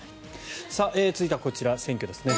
続いては、こちら、選挙ですね。